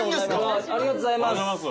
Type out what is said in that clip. ありがとうございます。